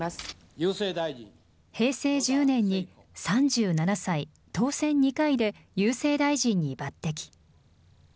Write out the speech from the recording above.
平成１０年に３７歳、当選２回で郵政大臣に抜てき。